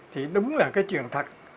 thì đúng là cái chuyện thật